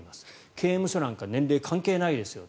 刑務所なんか年齢関係ないですよ。